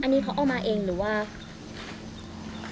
อันนี้เขาเอามาเองหรือว่า